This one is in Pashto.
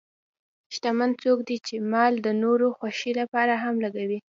شتمن څوک دی چې مال د نورو خوښۍ لپاره هم لګوي.